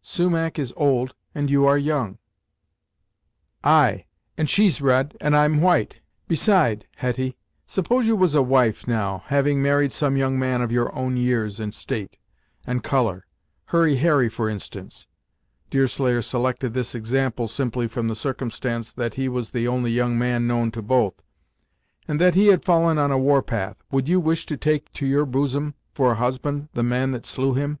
Sumach is old, and you are young!" "Ay and she's red, and I'm white. Beside, Hetty, suppose you was a wife, now, having married some young man of your own years, and state, and colour Hurry Harry, for instance " Deerslayer selected this example simply from the circumstance that he was the only young man known to both "and that he had fallen on a war path, would you wish to take to your bosom, for a husband, the man that slew him?"